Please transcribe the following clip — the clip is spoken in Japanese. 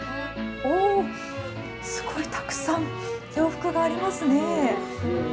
すごいたくさん洋服がありますね。